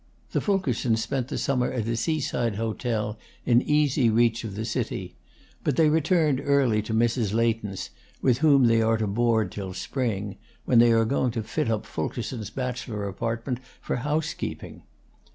The Fulkersons spent the summer at a seaside hotel in easy reach of the city; but they returned early to Mrs. Leighton's, with whom they are to board till spring, when they are going to fit up Fulkerson's bachelor apartment for housekeeping.